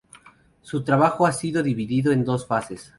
Su trabajo ha sido dividido en dos fases.